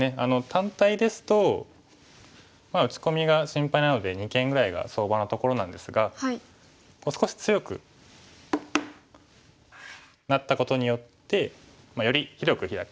単体ですと打ち込みが心配なので二間ぐらいが相場のところなんですが少し強くなったことによってより広くヒラく。